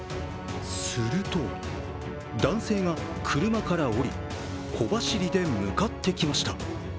すると男性が車から降り、小走りで向かってきました。